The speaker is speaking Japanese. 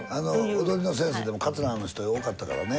踊りの先生でもカツラの人多かったからね。